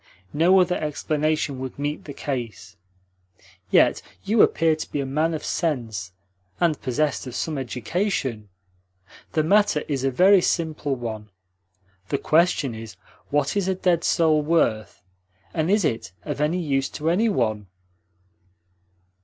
No other explanation would meet the case. Yet you appear to be a man of sense, and possessed of some education. The matter is a very simple one. The question is: what is a dead soul worth, and is it of any use to any one?"